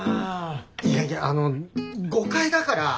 いやいやあの誤解だから。